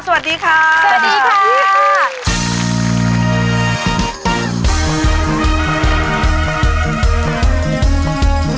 สวัสดีค่ะ